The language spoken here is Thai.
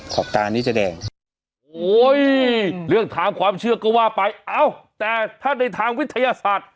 ขอบตานี้จะแดงโอ้ยเรื่องทางความเชื่อก็ว่าไปเอ้าแต่ถ้าในทางวิทยาศาสตร์